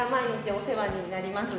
お世話になります。